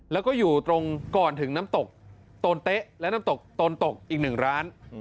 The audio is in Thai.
แล้วก็อยู่ตรงก่อนถึงน้ำตกโตนเต๊ะและน้ำตกโตนตกอีกหนึ่งร้าน